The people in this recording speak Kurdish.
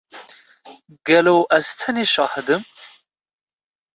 Gelo ez tenê şahid im?